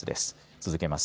続けます。